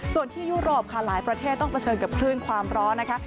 ส่วนที่ยุโรปค่ะหลายประเทศต้องเผชิญกับคลื่นความร้อนนะคะ